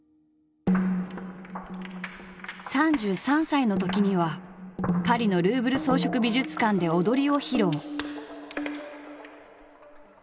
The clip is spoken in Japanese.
３３歳のときにはパリのルーブル装飾美術館で踊りを披露。